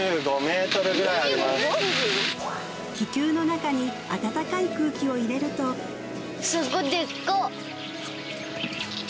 気球の中にあたたかい空気を入れるとすっごでっか！